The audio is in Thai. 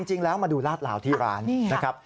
จริงแล้วมาดูลาดลาวที่ร้านนะครับ